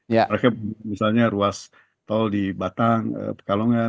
makanya misalnya ruas tol di batang pekalongan